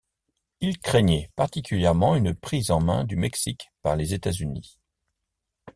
Il craignait particulièrement une prise en main du Mexique par les États-Unis.